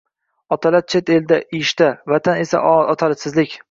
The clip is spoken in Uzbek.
Otalar chet elda — ishda, Vatanda esa — otasizlik.